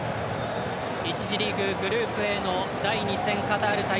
１次リーググループＡの第２戦カタール対